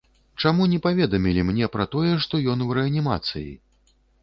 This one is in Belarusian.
Чаму не паведамілі мне пра тое, што ён у рэанімацыі?